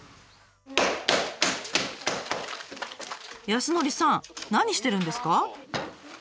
康典さん何してるんですか？